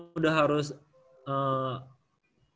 ya emang udah harus paradigma gitu ya kan ya